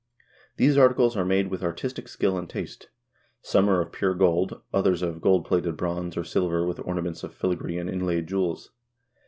These articles are made with artistic skill and taste. Some are of pure gold, others of gold plated bronze, <>r silver, with ornaments of filigree and inlaid jewels.